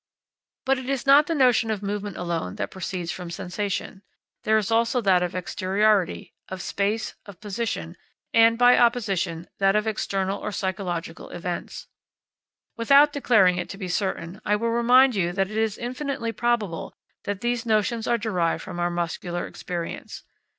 But it is not the notion of movement alone which proceeds from sensation. There is also that of exteriority, of space, of position, and, by opposition, that of external or psychological events. Without declaring it to be certain, I will remind you that it is infinitely probable that these notions are derived from our muscular experience.